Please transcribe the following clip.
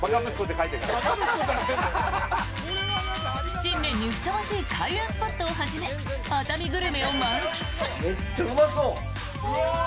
新年にふさわしい開運スポットをはじめ熱海グルメを満喫。